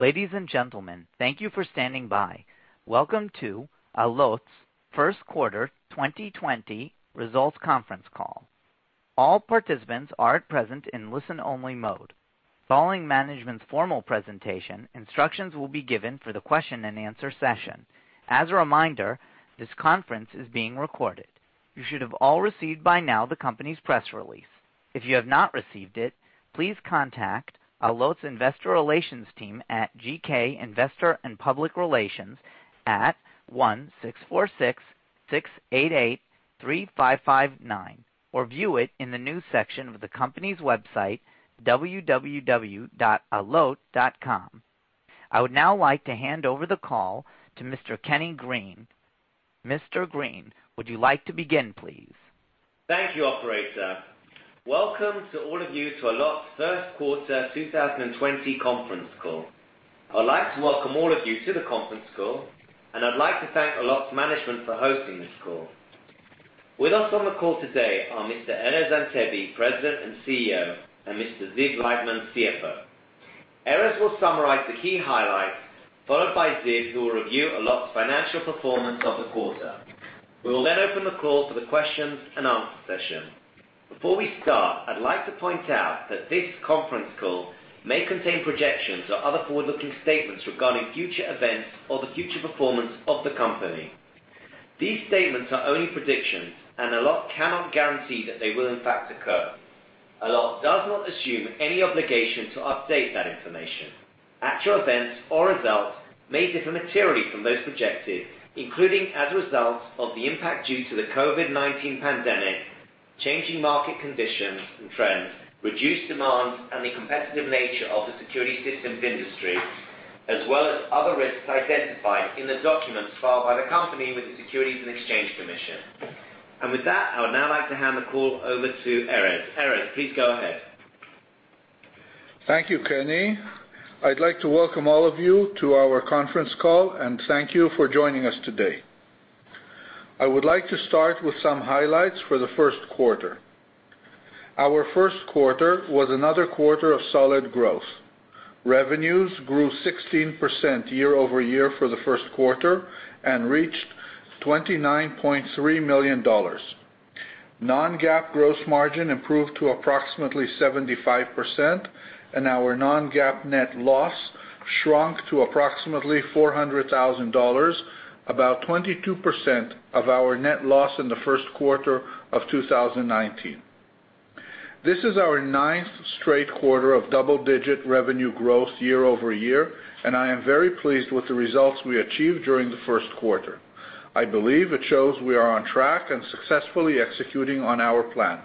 Ladies and gentlemen, thank you for standing by. Welcome to Allot's first quarter 2020 results conference call. All participants are at present in listen-only mode. Following management's formal presentation, instructions will be given for the question-and-answer session. As a reminder, this conference is being recorded. You should have all received the company's press release by now. If you have not received it, please contact Allot's investor relations team at GK Investor & Public Relations at 1-646-688-3559 or view it in the news section of the company's website, www.allot.com. I would now like to hand over the call to Mr. Kenny Green. Mr. Green, would you like to begin, please? Thank you, operator. Welcome to all of you to Allot's first quarter 2020 conference call. I'd like to welcome all of you to the conference call, and I'd like to thank Allot's management for hosting this call. With us on the call today are Mr. Erez Antebi, President and CEO, and Mr. Ziv Leitman, CFO. Erez will summarize the key highlights, followed by Ziv, who will review Allot's financial performance of the quarter. We will then open the call for the question-and-answer session. Before we start, I'd like to point out that this conference call may contain projections or other forward-looking statements regarding future events or the future performance of the company. These statements are only predictions, and Allot cannot guarantee that they will in fact occur. Allot does not assume any obligation to update that information. Actual events or results may differ materially from those projected, including as a result of the impact due to the COVID-19 pandemic, changing market conditions and trends, reduced demands, and the competitive nature of the security systems industry, as well as other risks identified in the documents filed by the company with the Securities and Exchange Commission. With that, I would now like to hand the call over to Erez. Erez, please go ahead. Thank you, Kenny. I'd like to welcome all of you to our conference call, and thank you for joining us today. I would like to start with some highlights for the first quarter. Our first quarter was another quarter of solid growth. Revenues grew 16% year-over-year for the first quarter and reached $29.3 million. Non-GAAP gross margin improved to approximately 75%, and our non-GAAP net loss shrunk to approximately $400,000, about 22% of our net loss in the first quarter of 2019. This is our ninth straight quarter of double-digit revenue growth year-over-year, and I am very pleased with the results we achieved during the first quarter. I believe it shows we are on track and successfully executing on our plan.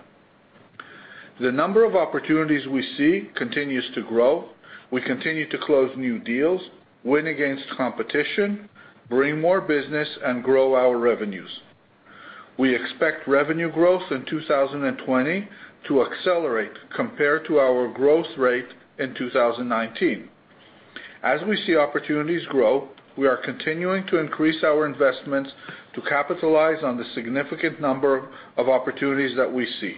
The number of opportunities we see continues to grow. We continue to close new deals, win against competition, bring more business, and grow our revenues. We expect revenue growth in 2020 to accelerate compared to our growth rate in 2019. As we see opportunities grow, we are continuing to increase our investments to capitalize on the significant number of opportunities that we see.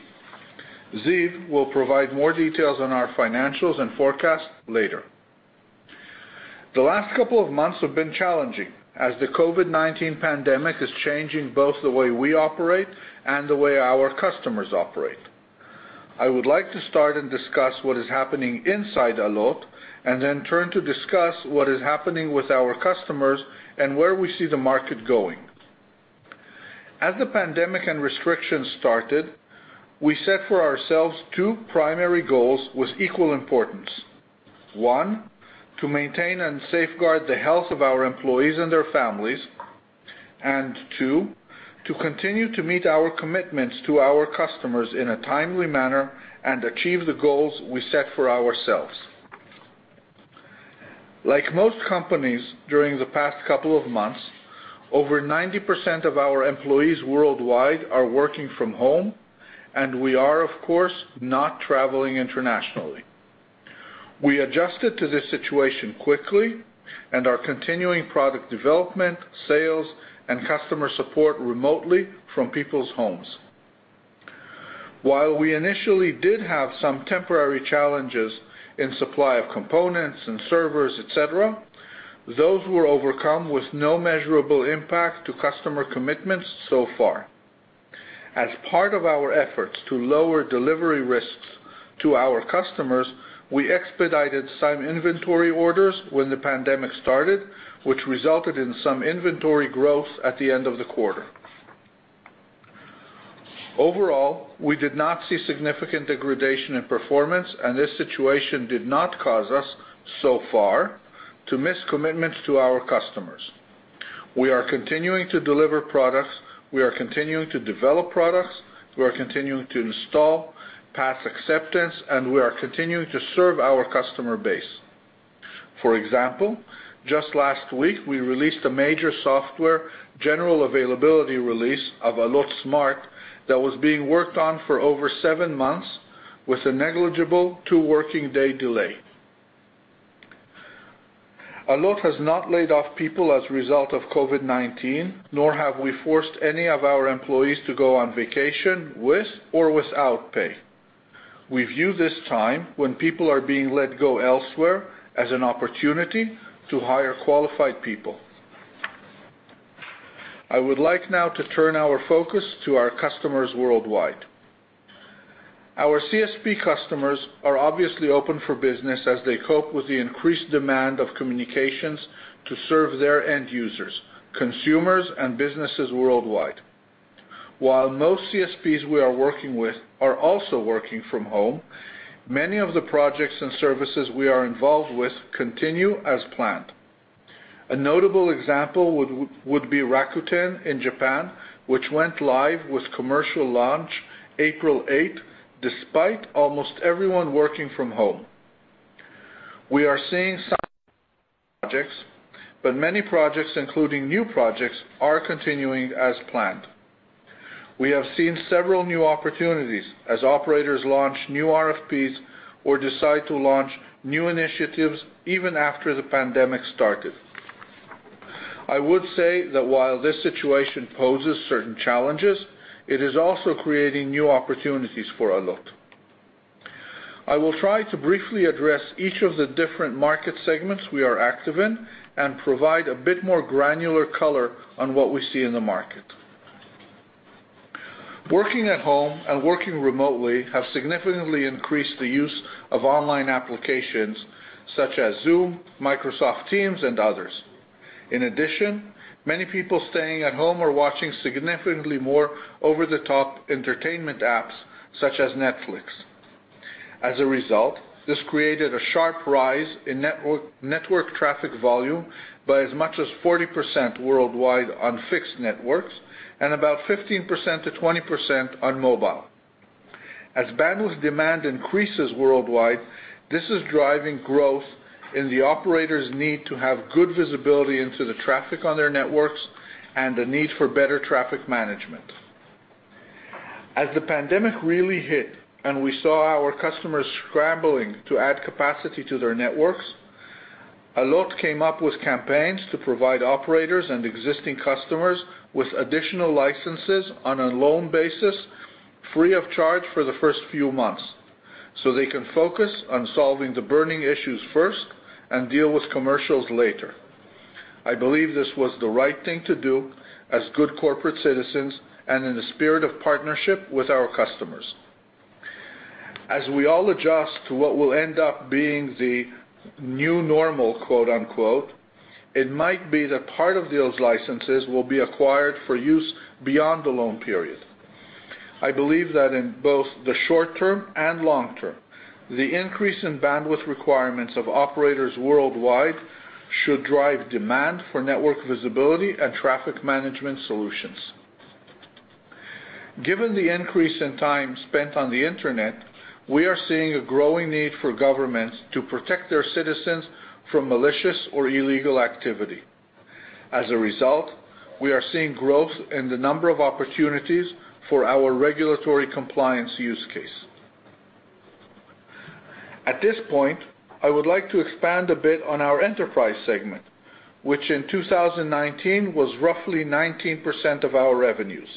Ziv will provide more details on our financials and forecast later. The last couple of months have been challenging as the COVID-19 pandemic is changing both the way we operate and the way our customers operate. I would like to start and discuss what is happening inside Allot, and then turn to discuss what is happening with our customers and where we see the market going. As the pandemic and restrictions started, we set for ourselves two primary goals with equal importance. One, to maintain and safeguard the health of our employees and their families. Two, to continue to meet our commitments to our customers in a timely manner and achieve the goals we set for ourselves. Like most companies during the past couple of months, over 90% of our employees worldwide are working from home, and we are, of course, not traveling internationally. We adjusted to this situation quickly and are continuing product development, sales, and customer support remotely from people's homes. While we initially did have some temporary challenges in supply of components and servers, et cetera, those were overcome with no measurable impact to customer commitments so far. As part of our efforts to lower delivery risks to our customers, we expedited some inventory orders when the pandemic started, which resulted in some inventory growth at the end of the quarter. Overall, we did not see significant degradation in performance, and this situation did not cause us, so far, to miss commitments to our customers. We are continuing to deliver products. We are continuing to develop products. We are continuing to install, pass acceptance, and we are continuing to serve our customer base. For example, just last week, we released a major software general availability release of Allot Smart that was being worked on for over seven months with a negligible two working day delay. Allot has not laid off people as a result of COVID-19, nor have we forced any of our employees to go on vacation with or without pay. We view this time, when people are being let go elsewhere, as an opportunity to hire qualified people. I would like now to turn our focus to our customers worldwide. Our CSP customers are obviously open for business as they cope with the increased demand of communications to serve their end users, consumers, and businesses worldwide. While most CSPs we are working with are also working from home, many of the projects and services we are involved with continue as planned. A notable example would be Rakuten in Japan, which went live with commercial launch April 8, despite almost everyone working from home. We are seeing some projects, but many projects, including new projects, are continuing as planned. We have seen several new opportunities as operators launch new RFPs or decide to launch new initiatives even after the pandemic started. I would say that while this situation poses certain challenges, it is also creating new opportunities for Allot. I will try to briefly address each of the different market segments we are active in and provide a bit more granular color on what we see in the market. Working at home and working remotely have significantly increased the use of online applications such as Zoom, Microsoft Teams, and others. In addition, many people staying at home are watching significantly more over-the-top entertainment apps such as Netflix. As a result, this created a sharp rise in network traffic volume by as much as 40% worldwide on fixed networks, and about 15%-20% on mobile. As bandwidth demand increases worldwide, this is driving growth in the operators' need to have good visibility into the traffic on their networks and the need for better traffic management. As the pandemic really hit and we saw our customers scrambling to add capacity to their networks, Allot came up with campaigns to provide operators and existing customers with additional licenses on a loan basis, free of charge for the first few months, so they can focus on solving the burning issues first and deal with commercials later. I believe this was the right thing to do as good corporate citizens and in the spirit of partnership with our customers. As we all adjust to what will end up being the "new normal," it might be that part of those licenses will be acquired for use beyond the loan period. I believe that in both the short term and long term, the increase in bandwidth requirements of operators worldwide should drive demand for network visibility and traffic management solutions. Given the increase in time spent on the internet, we are seeing a growing need for governments to protect their citizens from malicious or illegal activity. We are seeing growth in the number of opportunities for our regulatory compliance use case. At this point, I would like to expand a bit on our enterprise segment, which in 2019 was roughly 19% of our revenues.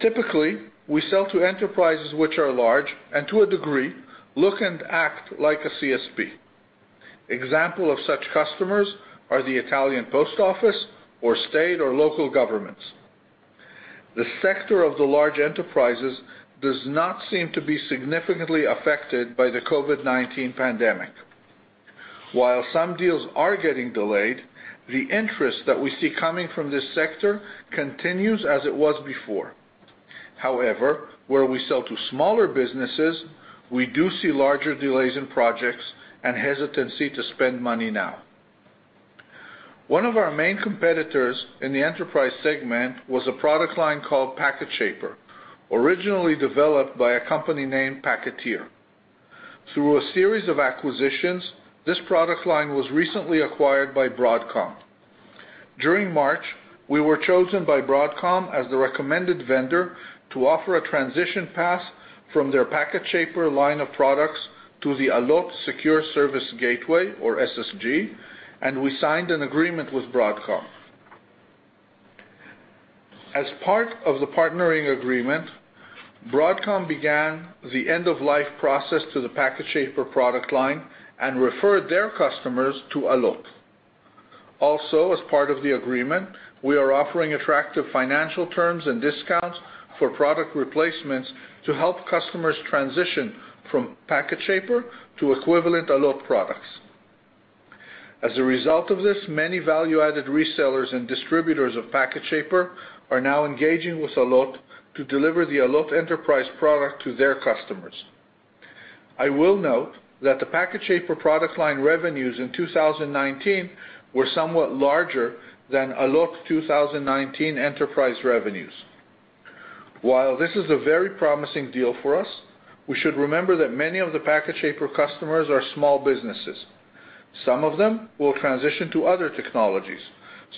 Typically, we sell to enterprises which are large, and to a degree, look and act like a CSP. Example of such customers are Poste Italiane or state or local governments. The sector of the large enterprises does not seem to be significantly affected by the COVID-19 pandemic. While some deals are getting delayed, the interest that we see coming from this sector continues as it was before. However, where we sell to smaller businesses, we do see larger delays in projects and hesitancy to spend money now. One of our main competitors in the enterprise segment was a product line called PacketShaper, originally developed by a company named Packeteer. Through a series of acquisitions, this product line was recently acquired by Broadcom. During March, we were chosen by Broadcom as the recommended vendor to offer a transition path from their PacketShaper line of products to the Allot Secure Service Gateway, or SSG, and we signed an agreement with Broadcom. As part of the partnering agreement, Broadcom began the end-of-life process for the PacketShaper product line and referred their customers to Allot. Also, as part of the agreement, we are offering attractive financial terms and discounts for product replacements to help customers transition from PacketShaper to equivalent Allot products. As a result of this, many value-added resellers and distributors of PacketShaper are now engaging with Allot to deliver the Allot enterprise product to their customers. I will note that the PacketShaper product line revenues in 2019 were somewhat larger than Allot 2019 enterprise revenues. While this is a very promising deal for us, we should remember that many of the PacketShaper customers are small businesses. Some of them will transition to other technologies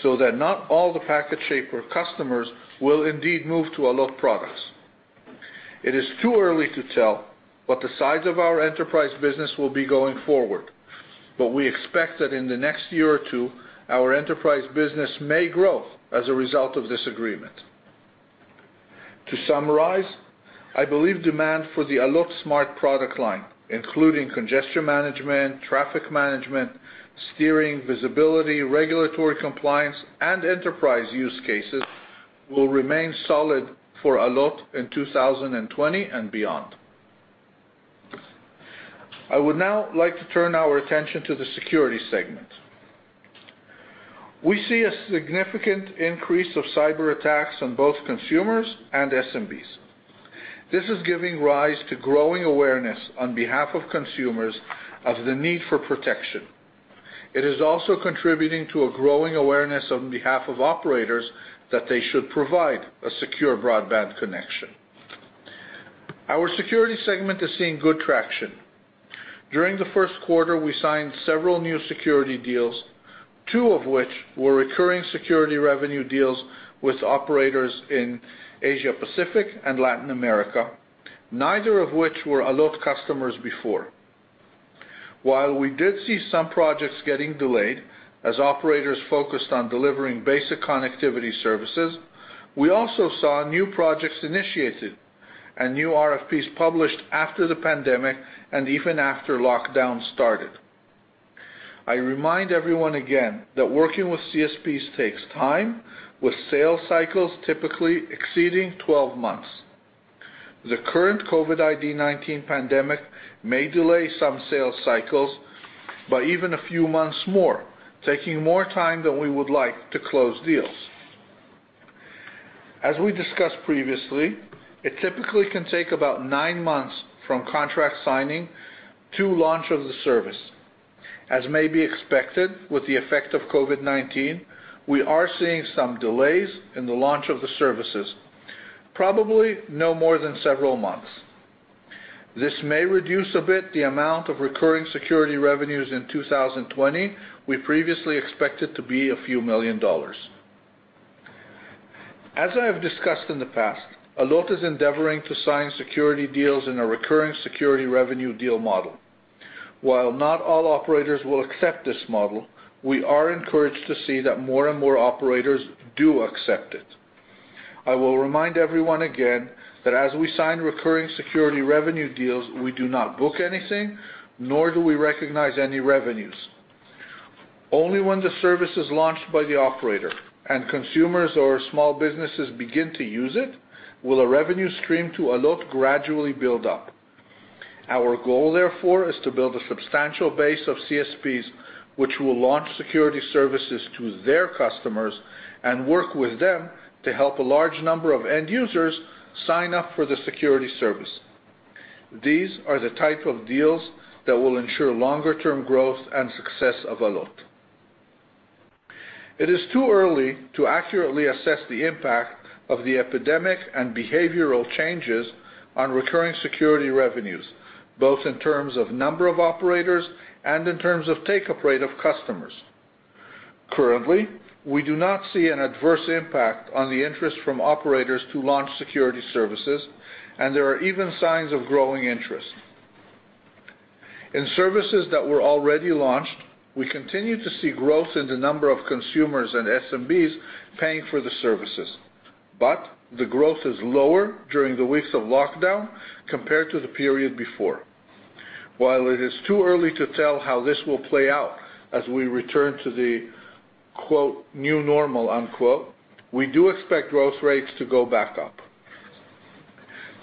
so that not all the PacketShaper customers will indeed move to Allot products. It is too early to tell what the size of our enterprise business will be going forward. We expect that in the next year or two, our enterprise business may grow as a result of this agreement. To summarize, I believe demand for the Allot Smart product line, including congestion management, traffic management, steering, visibility, regulatory compliance, and enterprise use cases, will remain solid for Allot in 2020 and beyond. I would now like to turn our attention to the security segment. We see a significant increase in cyberattacks on both consumers and SMBs. This is giving rise to growing awareness on behalf of consumers of the need for protection. It is also contributing to a growing awareness on behalf of operators that they should provide a secure broadband connection. Our security segment is seeing good traction. During the first quarter, we signed several new security deals, two of which were recurring security revenue deals with operators in Asia Pacific and Latin America, neither of which was an Allot customer before. While we did see some projects getting delayed as operators focused on delivering basic connectivity services, we also saw new projects initiated and new RFPs published after the pandemic and even after lockdown started. I remind everyone again that working with CSPs takes time, with sales cycles typically exceeding 12 months. The current COVID-19 pandemic may delay some sales cycles by even a few months more, taking more time than we would like to close deals. As we discussed previously, it typically can take about nine months from contract signing to launch of the service. As may be expected with the effect of COVID-19, we are seeing some delays in the launch of the services, probably no more than several months. This may reduce a bit the amount of recurring security revenues in 2020 we previously expected to be a few million dollars. As I have discussed in the past, Allot is endeavoring to sign security deals in a recurring security revenue deal model. While not all operators will accept this model, we are encouraged to see that more and more operators do accept it. I will remind everyone again that as we sign recurring security revenue deals, we do not book anything, nor do we recognize any revenues. Only when the service is launched by the operator and consumers or small businesses begin to use it will a revenue stream to Allot gradually build up. Our goal, therefore, is to build a substantial base of CSPs which will launch security services to their customers and work with them to help a large number of end users sign up for the security service. These are the type of deals that will ensure longer-term growth and success of Allot. It is too early to accurately assess the impact of the epidemic and behavioral changes on recurring security revenues, both in terms of the number of operators and in terms of the take-up rate of customers. Currently, we do not see an adverse impact on the interest from operators to launch security services. There are even signs of growing interest. In services that were already launched, we continue to see growth in the number of consumers and SMBs paying for the services. The growth is lower during the weeks of lockdown compared to the period before. While it is too early to tell how this will play out as we return to the "new normal," we do expect growth rates to go back up.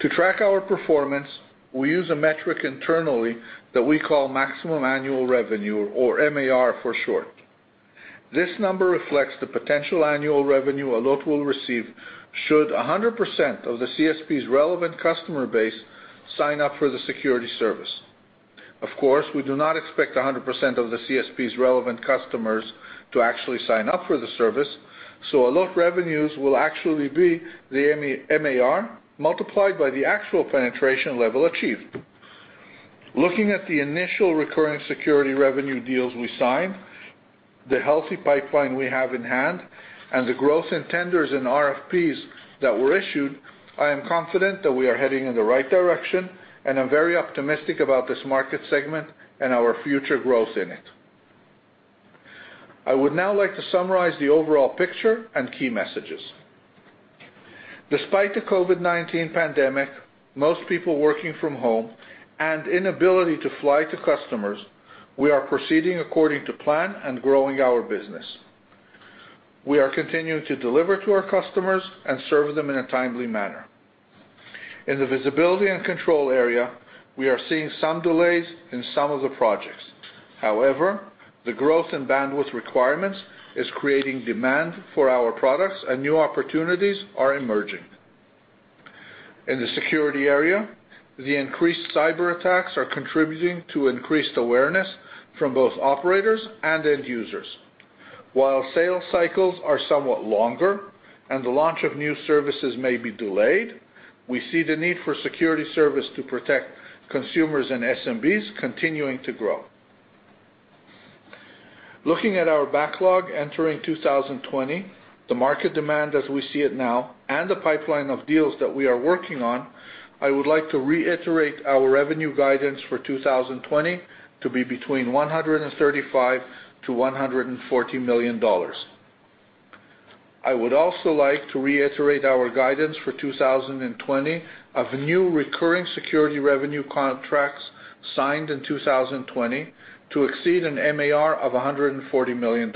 To track our performance, we use a metric internally that we call maximum annual revenue, or MAR for short. This number reflects the potential annual revenue Allot will receive should 100% of the CSP's relevant customer base sign up for the security service. Of course, we do not expect 100% of the CSP's relevant customers to actually sign up for the service, so Allot's revenues will actually be the MAR multiplied by the actual penetration level achieved. Looking at the initial recurring security revenue deals we signed, the healthy pipeline we have in hand, and the growth in tenders and RFPs that were issued, I am confident that we are heading in the right direction, and I'm very optimistic about this market segment and our future growth in it. I would now like to summarize the overall picture and key messages. Despite the COVID-19 pandemic, most people are working from home, and the inability to fly to customers, we are proceeding according to plan and growing our business. We are continuing to deliver to our customers and serve them in a timely manner. In the visibility and control area, we are seeing some delays in some of the projects. The growth in bandwidth requirements is creating demand for our products, and new opportunities are emerging. In the security area, the increased cyberattacks are contributing to increased awareness from both operators and end users. While sales cycles are somewhat longer and the launch of new services may be delayed, we see the need for security services to protect consumers and SMBs continuing to grow. Looking at our backlog entering 2020, the market demand as we see it now, and the pipeline of deals that we are working on, I would like to reiterate our revenue guidance for 2020 to be between $135 million-$140 million. I would also like to reiterate our guidance for 2020 of new recurring security revenue contracts signed in 2020 to exceed an MAR of $140 million.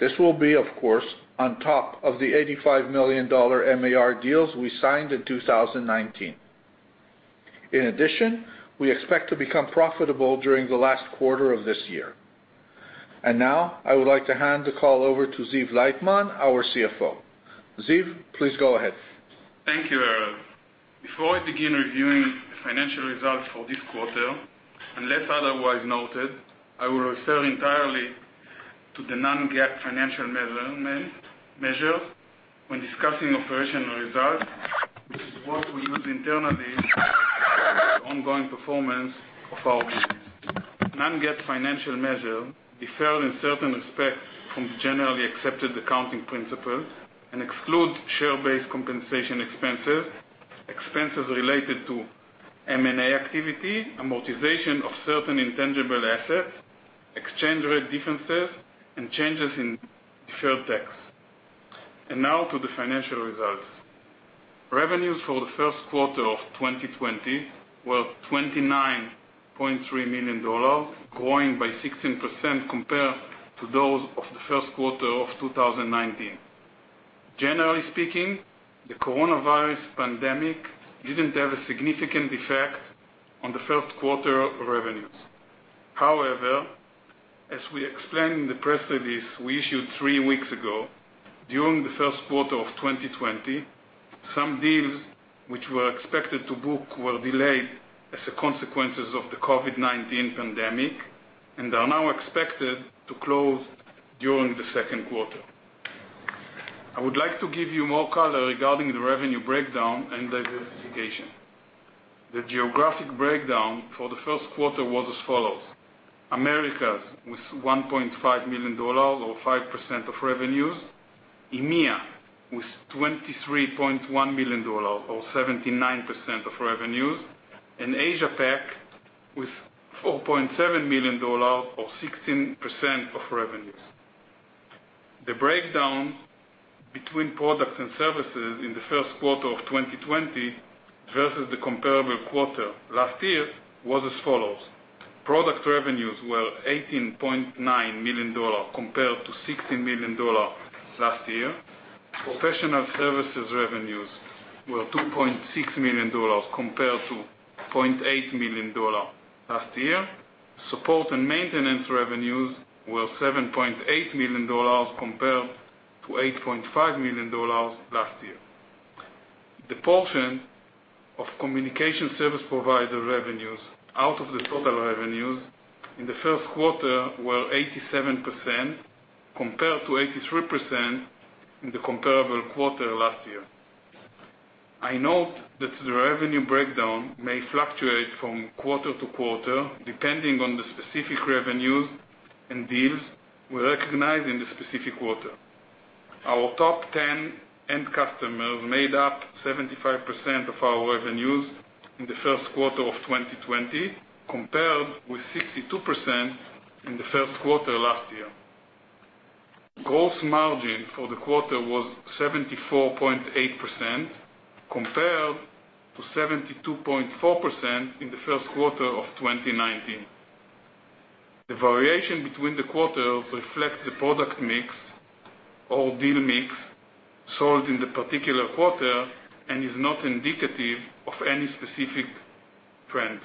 This will be, of course, on top of the $85 million MAR deals we signed in 2019. In addition, we expect to become profitable during the last quarter of this year. Now I would like to hand the call over to Ziv Leitman, our CFO. Ziv, please go ahead. Thank you, Erez. Before I begin reviewing the financial results for this quarter, unless otherwise noted, I will refer entirely to the non-GAAP financial measures when discussing operational results, which is what we use internally for the ongoing performance of our business. Non-GAAP financial measures differ in certain respects from generally accepted accounting principles and exclude share-based compensation expenses related to M&A activity, amortization of certain intangible assets, exchange rate differences, and changes in deferred tax. Now to the financial results. Revenues for the first quarter of 2020 were $29.3 million, growing by 16% compared to those of the first quarter of 2019. Generally speaking, the coronavirus pandemic didn't have a significant effect on the first quarter revenues. However, as we explained in the press release we issued three weeks ago, during the first quarter of 2020, some deals that were expected to book were delayed as a consequence of the COVID-19 pandemic and are now expected to close during the second quarter. I would like to give you more color regarding the revenue breakdown and diversification. The geographic breakdown for the first quarter was as follows. Americas, with $1.5 million, or 5% of revenues. EMEA with $23.1 million, or 79% of revenues. Asia Pac with $4.7 million or 16% of revenues. The breakdown between products and services in the first quarter of 2020 versus the comparable quarter last year was as follows. Product revenues were $18.9 million compared to $16 million last year. Professional services revenues were $2.6 million compared to $0.8 million last year. Support and maintenance revenues were $7.8 million compared to $8.5 million last year. The portion of communication service provider revenues out of the total revenues in the first quarter were 87%, compared to 83% in the comparable quarter last year. I note that the revenue breakdown may fluctuate from quarter to quarter, depending on the specific revenues and deals we recognize in the specific quarter. Our top 10 end customers made up 75% of our revenues in the first quarter of 2020, compared with 62% in the first quarter last year. Gross margin for the quarter was 74.8%, compared to 72.4% in the first quarter of 2019. The variation between the quarters reflects the product mix or deal mix sold in the particular quarter and is not indicative of any specific trends.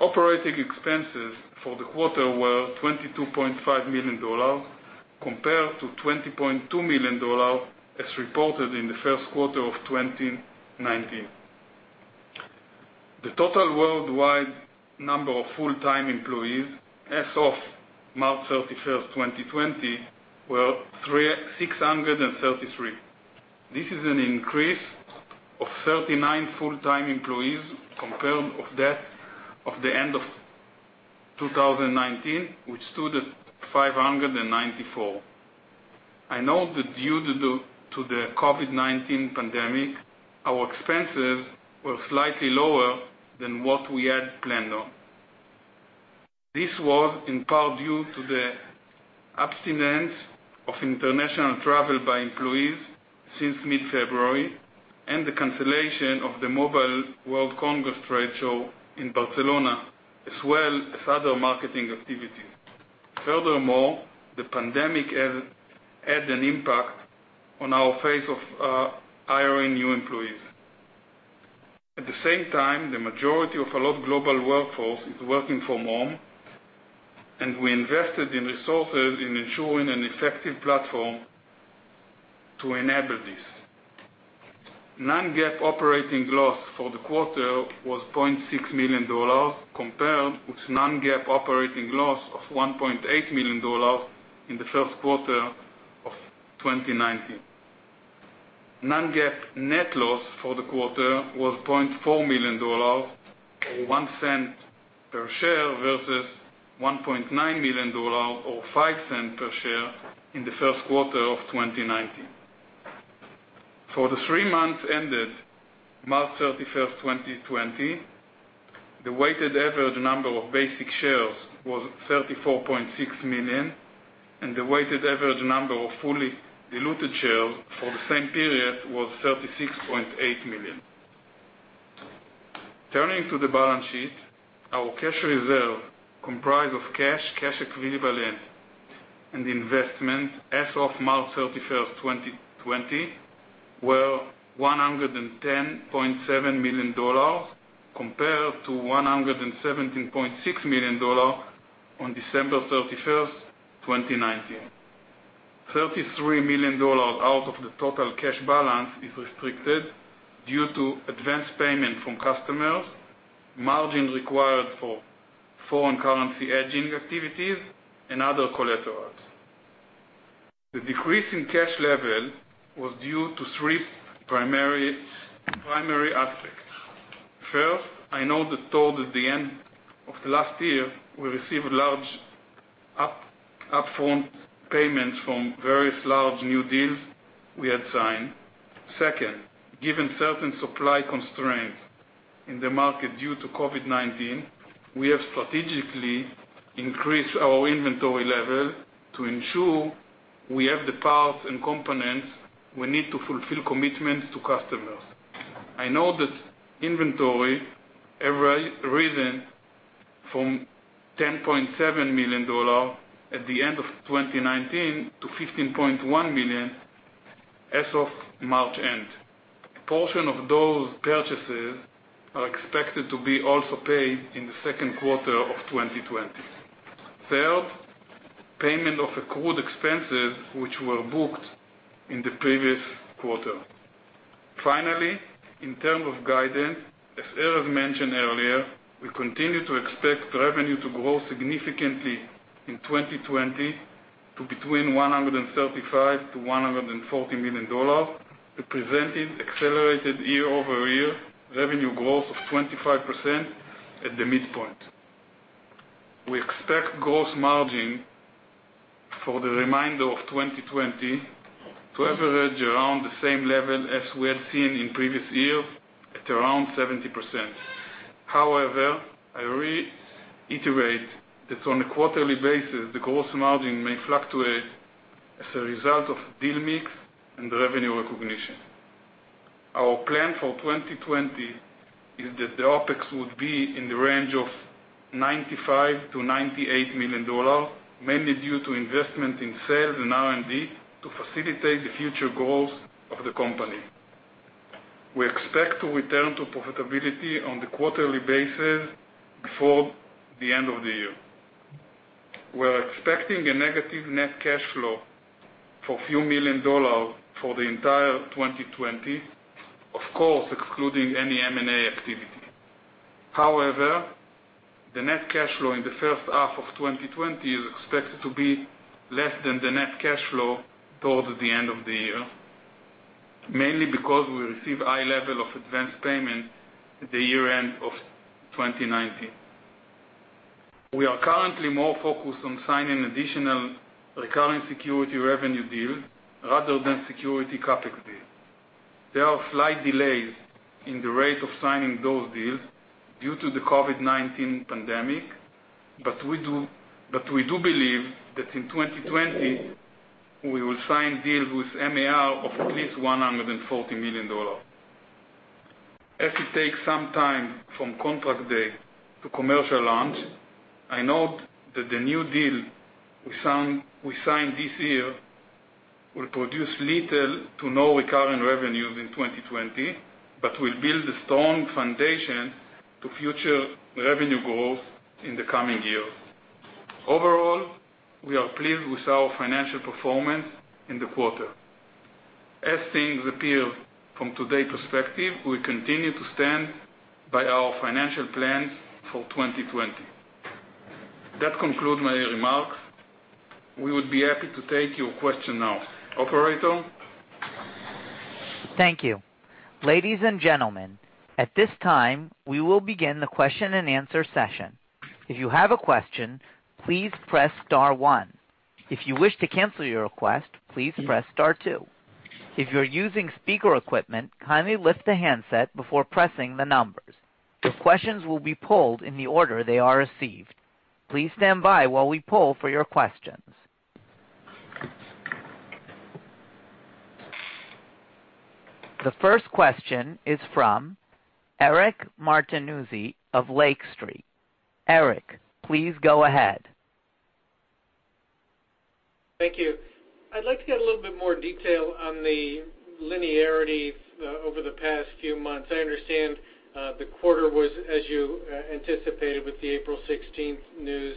Operating expenses for the quarter were $22.5 million compared to $20.2 million as reported in the first quarter of 2019. The total worldwide number of full-time employees as of March 31st, 2020, was 633. This is an increase of 39 full-time employees compared with that of the end of 2019, which stood at 594. I note that due to the COVID-19 pandemic, our expenses were slightly lower than what we had planned on. This was in part due to the abstinence of international travel by employees since mid-February and the cancellation of the Mobile World Congress trade show in Barcelona, as well as other marketing activities. Furthermore, the pandemic had an impact on our phase of hiring new employees. At the same time, the majority of Allot's global workforce is working from home, and we invested in resources to ensure an effective platform to enable this. Non-GAAP operating loss for the quarter was $0.6 million, compared with non-GAAP operating loss of $1.8 million in the first quarter of 2019. Non-GAAP net loss for the quarter was $0.4 million, or $0.01 per share, versus $1.9 million, or $0.05 per share, in the first quarter of 2019. For the three months ended March 31st, 2020, the weighted average number of basic shares was 34.6 million, and the weighted average number of fully diluted shares for the same period was 36.8 million. Turning to the balance sheet, our cash reserve, comprised of cash, cash equivalents, and investments as of March 31st, 2020, were $110.7 million, compared to $117.6 million on December 31st, 2019. $33 million out of the total cash balance is restricted due to advanced payment from customers, margins required for foreign currency hedging activities, and other collateral. The decrease in cash level was due to three primary aspects. First, I know that toward the end of last year, we received large upfront payments from various large new deals we had signed. Second, given certain supply constraints in the market due to COVID-19, we have strategically increased our inventory level to ensure we have the parts and components we need to fulfill commitments to customers. I know that inventory has risen from $10.7 million at the end of 2019 to $15.1 million as of the end of March. A portion of those purchases is also expected to be paid in the second quarter of 2020. Third, payment of accrued expenses, which were booked in the previous quarter. Finally, in terms of guidance, as Erez mentioned earlier, we continue to expect revenue to grow significantly in 2020 to between $135 million-$140 million, representing accelerated year-over-year revenue growth of 25% at the midpoint. We expect gross margin for the remainder of 2020 to average around the same level as we had seen in previous years, at around 70%. I reiterate that on a quarterly basis, the gross margin may fluctuate as a result of deal mix and revenue recognition. Our plan for 2020 is that the OpEx would be in the range of $95 million-$98 million, mainly due to investment in sales and R&D to facilitate the future goals of the company. We expect to return to profitability on the quarterly basis before the end of the year. We're expecting a negative net cash flow for a few million dollars for the entire 2020, of course, excluding any M&A activity. The net cash flow in the first half of 2020 is expected to be less than the net cash flow towards the end of the year, mainly because we received a high level of advanced payment at the year-end of 2019. We are currently more focused on signing additional recurring security revenue deals rather than security CapEx deals. There are slight delays in the rate of signing those deals due to the COVID-19 pandemic, but we do believe that in 2020, we will sign deals with MAR of at least $140 million. As it takes some time from contract date to commercial launch, I note that the new deal we signed this year will produce little to no recurring revenue in 2020 but will build a strong foundation for future revenue growth in the coming years. Overall, we are pleased with our financial performance in the quarter. As things appear from today's perspective, we continue to stand by our financial plans for 2020. That concludes my remarks. We would be happy to take your questions now. Operator? Thank you. Ladies and gentlemen, at this time, we will begin the question-and-answer session. If you have a question, please press star one. If you wish to cancel your request, please press star two. If you're using speaker equipment, kindly lift the handset before pressing the numbers. The questions will be polled in the order they are received. Please stand by while we poll for your questions. The first question is from Eric Martinuzzi of Lake Street. Eric, please go ahead. Thank you. I'd like to get a little bit more detail on the linearity over the past few months. I understand the quarter was as you anticipated with the April 16th news,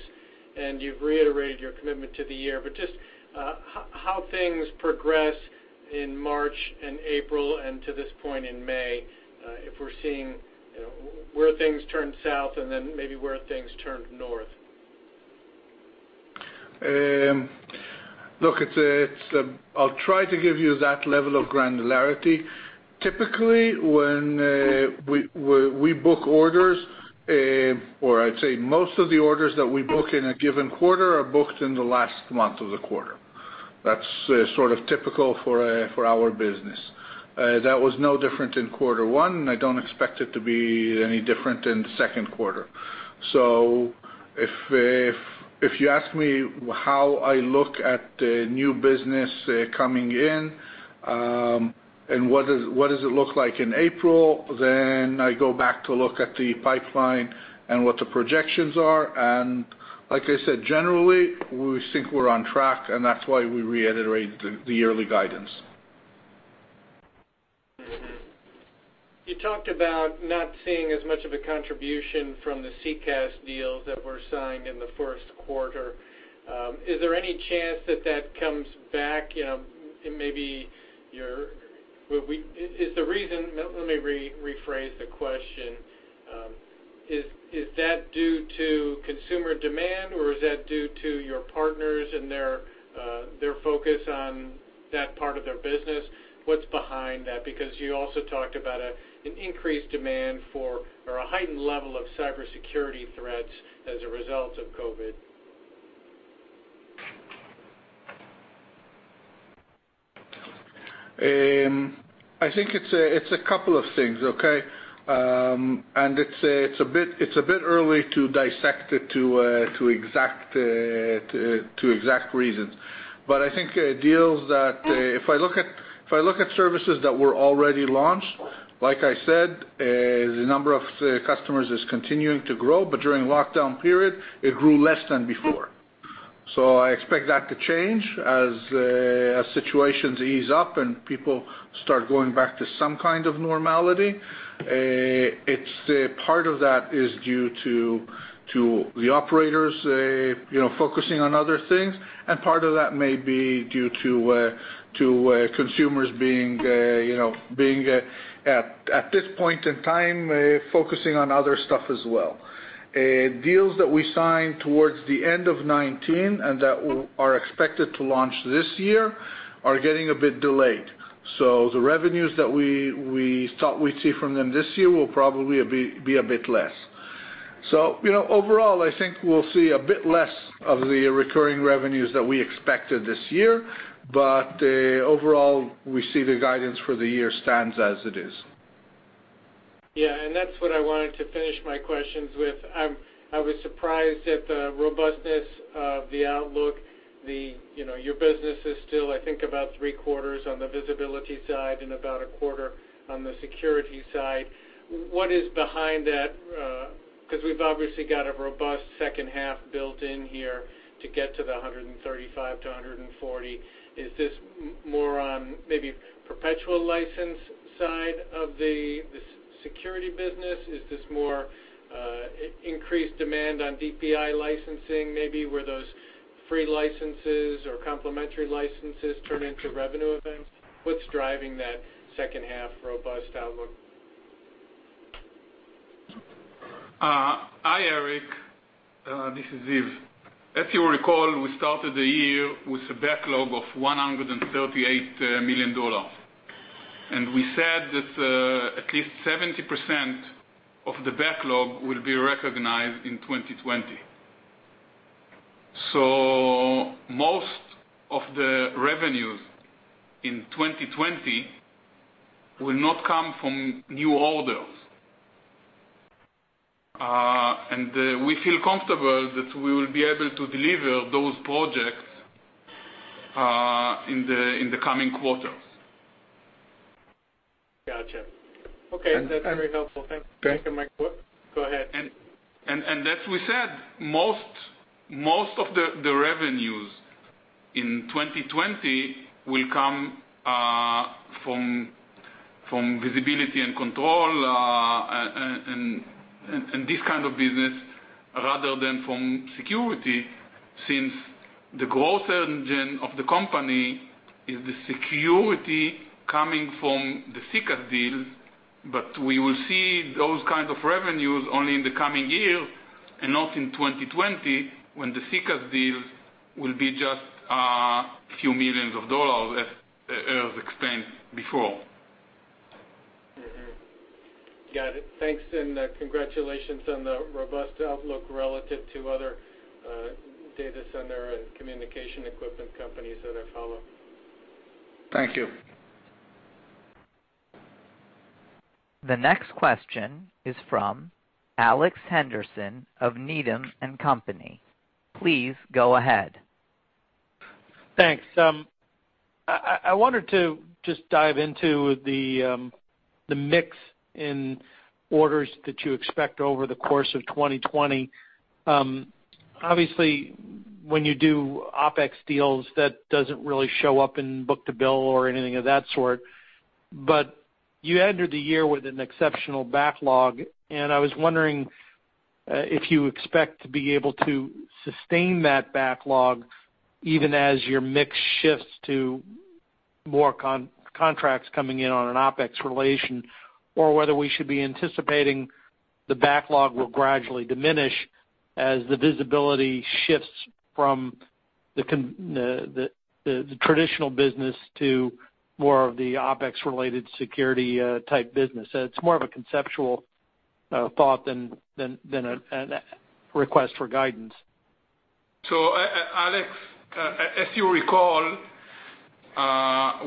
and you've reiterated your commitment to the year. Just how things progressed in March and April, and to this point in May, if we're seeing where things turned south and then maybe where things turned north. Look, I'll try to give you that level of granularity. Typically, when we book orders, or I'd say most of the orders that we book in a given quarter are booked in the last month of the quarter. That's sort of typical for our business. That was no different in quarter one. I don't expect it to be any different in the second quarter. If you ask me how I look at the new business coming in, and what it looks like in April, then I go back to look at the pipeline and what the projections are. Like I said, generally, we think we're on track, and that's why we reiterated the yearly guidance. You talked about not seeing as much of a contribution from the SECaaS deals that were signed in the first quarter. Is that due to consumer demand, or is that due to your partners and their focus on that part of their business? What's behind that? Because you also talked about an increased demand for, or a heightened level of cybersecurity threats, as a result of COVID. I think it's a couple of things, okay? It's a bit early to dissect it into exact reasons. I think deals that, if I look at services that were already launched, like I said, the number of customers is continuing to grow, but during the lockdown period, it grew less than before. I expect that to change as situations ease up and people start going back to some kind of normality. Part of that is due to the operators focusing on other things, and part of that may be due to consumers being, at this point in time, focusing on other stuff as well. Deals that we signed towards the end of 2019 and that are expected to launch this year are getting a bit delayed. The revenues that we thought we'd see from them this year will probably be a bit less. Overall, I think we'll see a bit less of the recurring revenues that we expected this year. Overall, we see the guidance for the year stands as it is. Yeah, that's what I wanted to finish my questions with. I was surprised at the robustness of the outlook. Your business is still, I think, about three-quarters on the visibility side and about a quarter on the security side. What is behind that? Because we've obviously got a robust second half built in here to get to the $135 million-$140 million. Is this more on maybe, the perpetual license side of the security business? Is this more of an increased demand on DPI licensing, maybe where those free licenses or complimentary licenses turn into revenue events? What's driving that second half robust outlook? Hi, Eric. This is Ziv. If you recall, we started the year with a backlog of $138 million. We said that at least 70% of the backlog will be recognized in 2020. Most of the revenues in 2020 will not come from new orders. We feel comfortable that we will be able to deliver those projects in the coming quarters. Got you. Okay. And then- That's very helpful. Thank you. Okay, and I quote- Go ahead. As we said, most of the revenues in 2020 will come from visibility and control, and this kind of business, rather than from security, since the growth engine of the company is the security coming from the SECaaS deal. We will see those kinds of revenues only in the coming year, and not in 2020 when the SECaaS deals will be just a few millions of dollars, as Erez explained before. Got it. Thanks. Congratulations on the robust outlook relative to other data center and communication equipment companies that I follow. Thank you. The next question is from Alex Henderson of Needham & Company. Please go ahead. Thanks. I wanted to just dive into the mix in the orders that you expect over the course of 2020. Obviously, when you do OpEx deals, that doesn't really show up in book-to-bill or anything of that sort. You entered the year with an exceptional backlog, and I was wondering if you expect to be able to sustain that backlog even as your mix shifts to more contracts coming in on an OpEx relation, or whether we should be anticipating the backlog will gradually diminish as the visibility shifts from the traditional business to more of the OpEx-related security type business. It's more of a conceptual thought than a request for guidance. Alex, if you recall,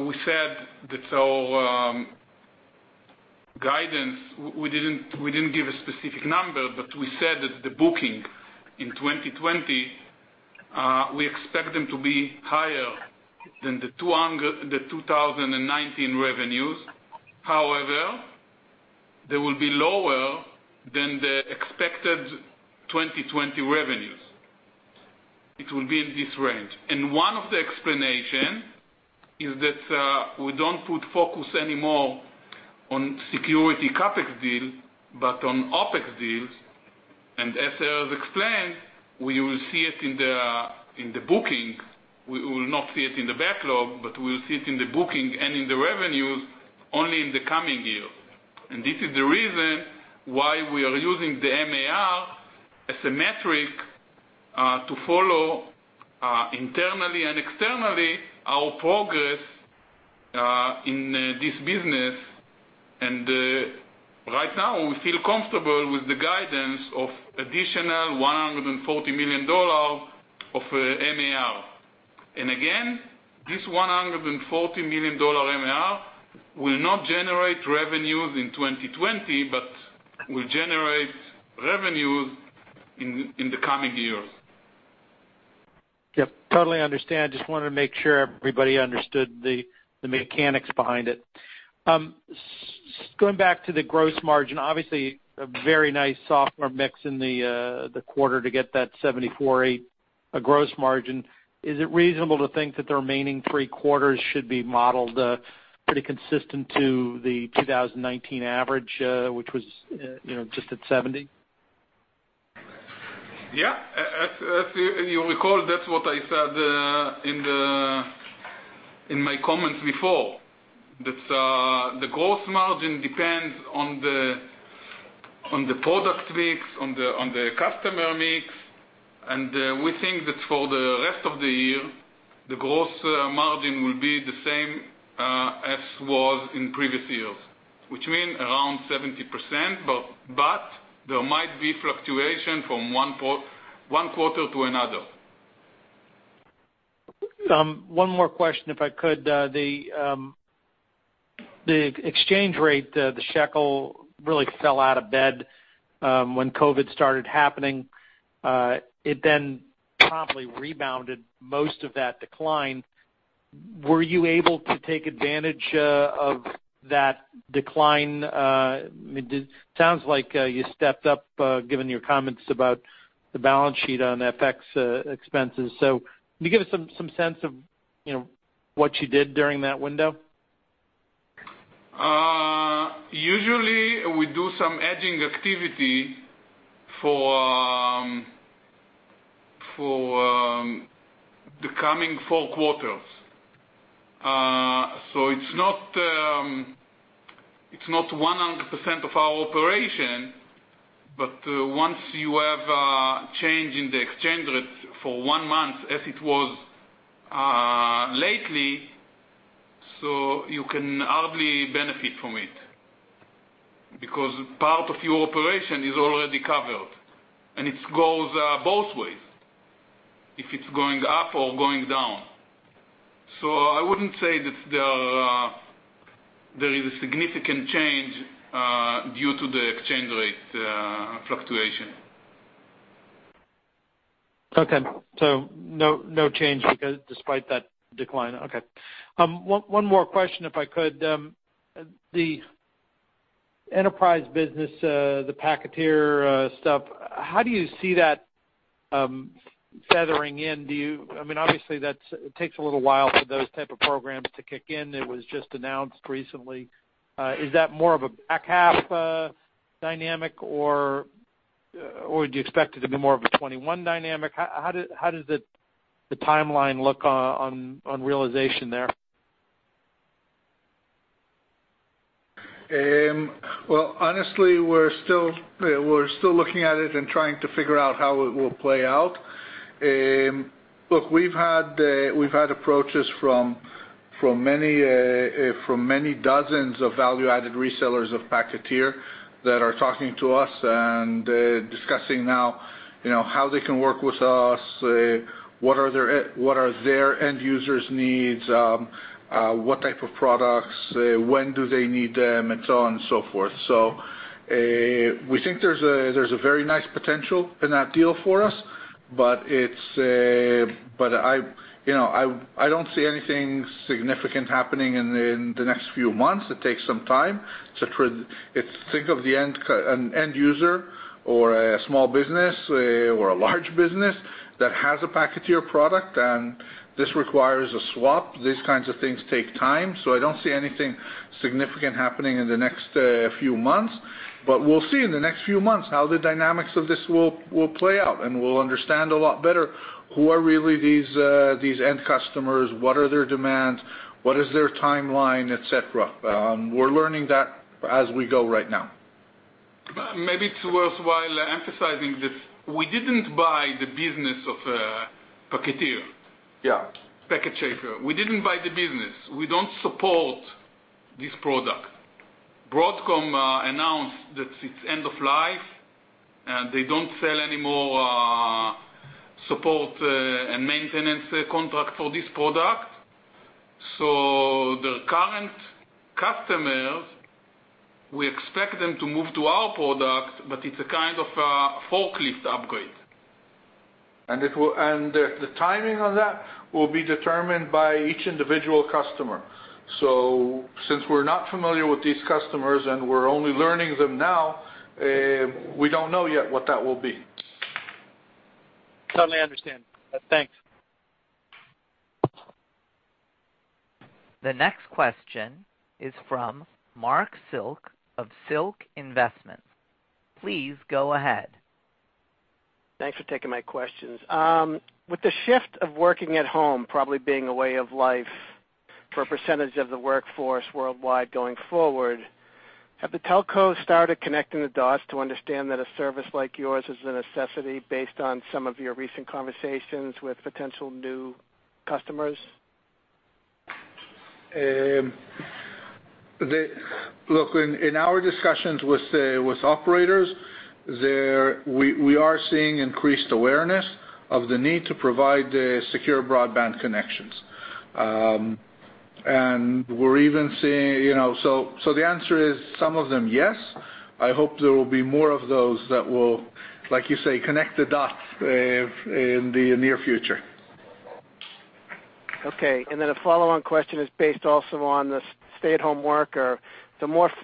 we said that our guidance, we didn't give a specific number, but we said that the bookings in 2020, we expect them to be higher than the 2019 revenues. However, they will be lower than the expected 2020 revenues. It will be in this range. One of the explanations is that we don't put focus anymore on security CapEx deals, but on OpEx deals. As Erez explained, we will see it in the booking. We will not see it in the backlog, but we'll see it in the booking and in the revenues only in the coming year. This is the reason why we are using the MAR as a metric to follow, internally and externally, our progress in this business. Right now, we feel comfortable with the guidance of an additional $140 million of MAR. Again, this $140 million MAR will not generate revenues in 2020, but will generate revenues in the coming years. Yep. Totally understand. Just wanted to make sure everybody understood the mechanics behind it. Going back to the gross margin, obviously, a very nice software mix in the quarter to get that 74.8% gross margin. Is it reasonable to think that the remaining three quarters should be modeled pretty consistent to the 2019 average, which was just at 70%? Yeah. If you recall, that's what I said in my comments before, that the gross margin depends on the product mix, on the customer mix. We think that for the rest of the year, the gross margin will be the same, as it was in previous years, which means around 70%, but there might be fluctuation from one quarter to another. One more question, if I could. The exchange rate, the shekel really fell out of bed, when COVID-19 started happening. It then promptly rebounded most of that decline. Were you able to take advantage of that decline? It sounds like you stepped up, given your comments about the balance sheet on FX expenses. Can you give us some sense of what you did during that window? Usually, we do some hedging activity for the coming four quarters. It's not 100% of our operation, but once you have a change in the exchange rate for one month, as it was lately, you can hardly benefit from it, because part of your operation is already covered, and it goes both ways, if it's going up or going down. I wouldn't say that there is a significant change due to the exchange rate fluctuation. Okay. No change because of that decline. Okay. One more question, if I could. The enterprise business, the Packeteer stuff, how do you see that feathering in? Obviously, that takes a little while for those types of programs to kick in. It was just announced recently. Is that more of a back half dynamic, or do you expect it to be more of a 2021 dynamic? How does the timeline look on realization there? Honestly, we're still looking at it and trying to figure out how it will play out. We've had approaches from many dozens of value-added resellers of Packeteer that are talking to us and discussing now how they can work with us, what their end users need, what type of products, when they need them, and so on and so forth. We think there's a very nice potential in that deal for us. I don't see anything significant happening in the next few months. It takes some time to think of the end user, or a small business or a large business that has a PacketShaper product, and this requires a swap. These kinds of things take time. I don't see anything significant happening in the next few months. We'll see in the next few months how the dynamics of this will play out, and we'll understand a lot better who these end customers really are, what their demands are, what their timeline is, et cetera. We're learning that as we go right now. Maybe it's worthwhile emphasizing this. We didn't buy the business of PacketShaper. Yeah. PacketShaper. We didn't buy the business. We don't support this product. Broadcom announced that it has begun the end-of-life process, and they don't sell any support and maintenance contracts for this product. Their current customers, we expect them to move to our product, but it's a kind of forklift upgrade. The timing on that will be determined by each individual customer. Since we're not familiar with these customers and we're only learning about them now, we don't know yet what that will be. Totally understand. Thanks. The next question is from Marc Silk of Silk Investment. Please go ahead. Thanks for taking my questions. With the shift of working at home probably being a way of life for a percentage of the workforce worldwide going forward, have the telcos started connecting the dots to understand that a service like yours is a necessity based on some of your recent conversations with potential new customers? Look, in our discussions with operators, we are seeing increased awareness of the need to provide secure broadband connections. The answer is some of them, yes. I hope there will be more of those who will, like you say, connect the dots in the near future. Okay. A follow-on question is also based on the stay-at-home worker. The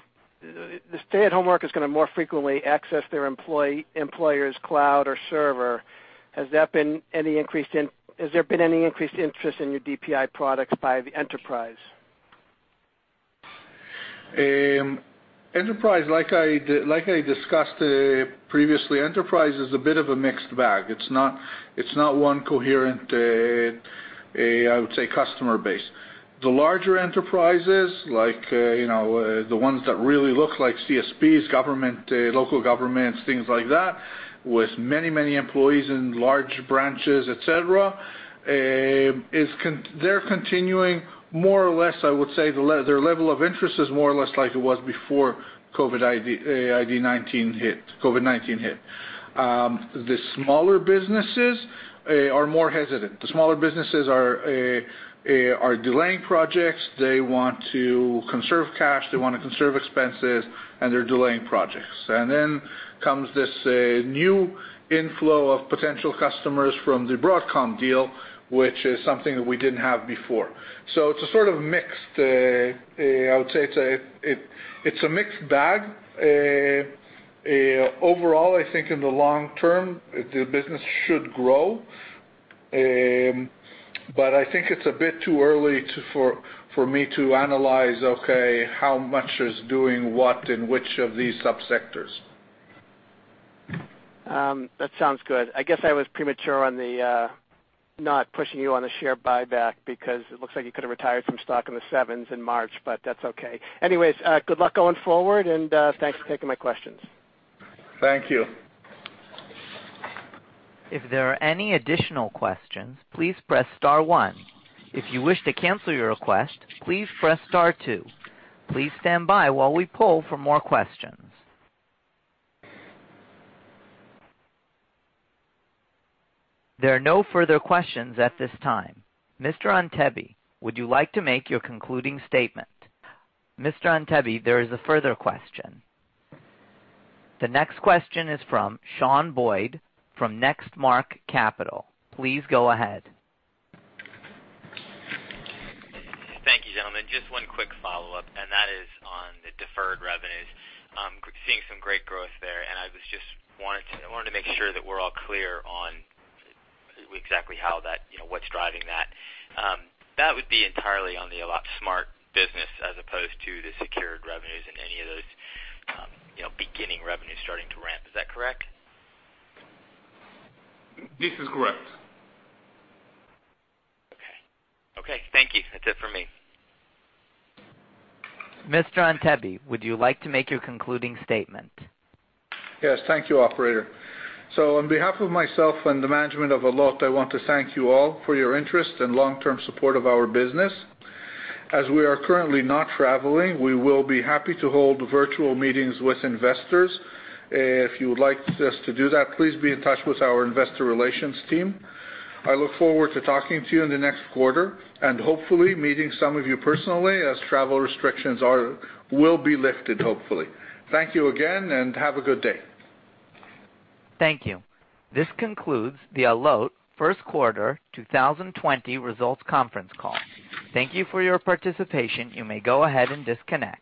stay-at-home worker is going to access their employer's cloud or server more frequently. Has there been any increased interest in your DPI products by the enterprise? Enterprise, as I discussed previously, is a bit of a mixed bag. It's not one coherent, I would say, customer base. The larger enterprises, like the ones that really look like CSPs, government, local governments, things like that, with many employees and large branches, et cetera, their level of interest is more or less like it was before COVID-19 hit. The smaller businesses are more hesitant. The smaller businesses are delaying projects. They want to conserve cash, they want to conserve expenses, and they're delaying projects. Comes this new inflow of potential customers from the Broadcom deal, which is something that we didn't have before. It's a sort of mixed, I would say, it's a mixed bag. Overall, I think in the long term, the business should grow. I think it's a bit too early for me to analyze, okay, how much is doing what in which of these sub-sectors. That sounds good. I guess I was premature on not pushing you on the share buyback because it looks like you could have retired some stock in the range of $7 in March, but that's okay. Anyways, good luck going forward, and thanks for taking my questions. Thank you. If there are any additional questions, please press star one. If you wish to cancel your request, please press star two. Please stand by while we poll for more questions. There are no further questions at this time. Mr. Antebi, would you like to make your concluding statement? Mr. Antebi, there is a further question. The next question is from Shawn Boyd from Next Mark Capital. Please go ahead. Thank you, gentlemen. Just one quick follow-up, and that is on the deferred revenues. Seeing some great growth there, and I wanted to make sure that we're all clear on exactly what's driving that. That would be entirely on the Allot Smart business as opposed to the secured revenues in any of those beginning revenues starting to ramp. Is that correct? This is correct. Okay. Thank you. That's it for me. Mr. Antebi, would you like to make your concluding statement? Yes. Thank you, operator. On behalf of myself and the management of Allot, I want to thank you all for your interest and long-term support of our business. As we are currently not traveling, we will be happy to hold virtual meetings with investors. If you would like us to do that, please be in touch with our investor relations team. I look forward to talking to you in the next quarter and hopefully meeting some of you personally as travel restrictions will be lifted, hopefully. Thank you again, and have a good day. Thank you. This concludes the Allot first quarter 2020 results conference call. Thank you for your participation. You may go ahead and disconnect.